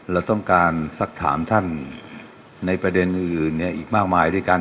เราต้องการสักถามท่านในประเด็นอื่นอีกมากมายด้วยกัน